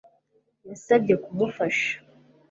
Yansabye kumufasha